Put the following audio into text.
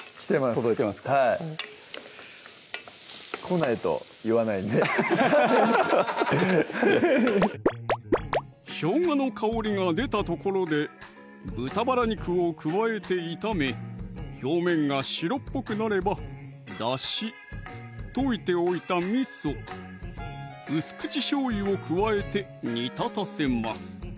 届いてますか来ないと言わないんでしょうがの香りが出たところで豚バラ肉を加えて炒め表面が白っぽくなればだし・溶いておいたみそ・薄口しょうゆを加えて煮立たせます